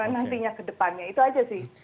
nantinya ke depannya itu aja sih